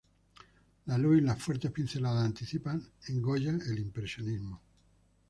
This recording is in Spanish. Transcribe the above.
La luz y las fuertes pinceladas anticipan en Goya el impresionismo.